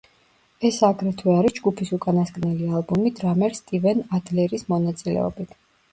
ეს აგრეთვე არის ჯგუფის უკანასკნელი ალბომი დრამერ სტივენ ადლერის მონაწილეობით.